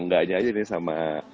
enggaknya aja sama